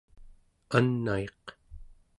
anaiq